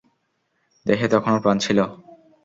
দেহে তখনও প্রাণ ছিল।